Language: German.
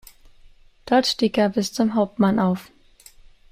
Dort stieg er bis zum Hauptmann auf.